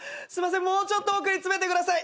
もうちょっと奥に詰めてください。